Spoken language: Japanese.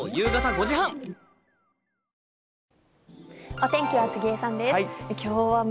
お天気は杉江さんです。